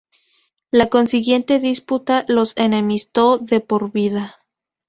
La consiguiente disputa los enemistó de por vida.